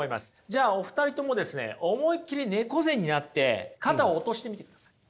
じゃあお二人ともですね思いっきり猫背になって肩を落としてみてください。